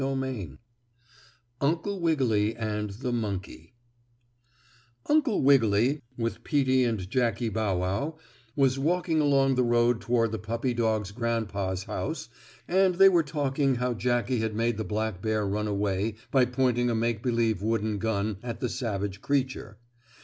STORY XIX UNCLE WIGGILY AND THE MONKEY Uncle Wiggily, with Peetie and Jackie Bow Wow, was walking along the road toward the puppy dogs' grandpa's house, and they were talking how Jackie had made the black bear run away by pointing a make believe wooden gun at the savage creature.